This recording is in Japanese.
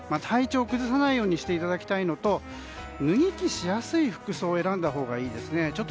体調を崩さないようにしていただきたいのと脱ぎ着しやすい服装を選んだほうがいいですね。